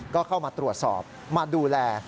ก็เข้ามาตรวจสอบมาดูแล